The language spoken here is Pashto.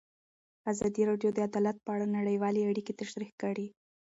ازادي راډیو د عدالت په اړه نړیوالې اړیکې تشریح کړي.